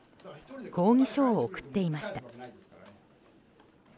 抗議書を送っていました。